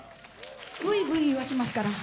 ブイブイ言わしますから。